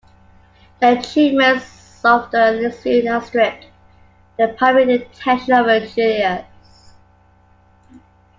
The achievements of the League soon outstripped the primary intention of Julius.